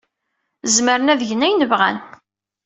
Zemren ad gen ayen bɣan.